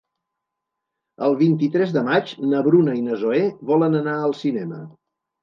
El vint-i-tres de maig na Bruna i na Zoè volen anar al cinema.